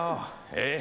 えっ。